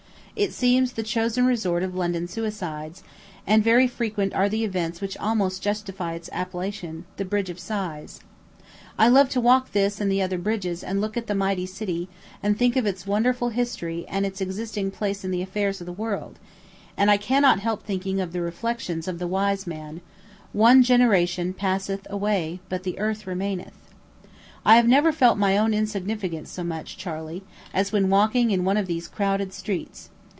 It seems the chosen resort of London suicides, and very frequent are the events which almost justify its appellation "the Bridge of Sighs." I love to walk this and the other bridges, and look at the mighty city, and think of its wonderful history and its existing place in the affairs of the world; and I cannot help thinking of the reflection of the wise man "One generation passeth away, but the earth remaineth." I have never felt my own insignificance so much, Charley, as when walking in one of these crowded streets.